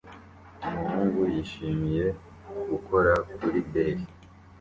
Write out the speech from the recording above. Umuhungu yishimiye gukora kuri deli